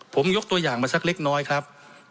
ผมยกตัวอย่างมาสักเล็กน้อยครับ